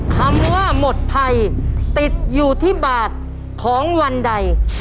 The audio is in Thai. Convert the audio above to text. คำว่าหมดภัยติดอยู่ที่บาทของวันใด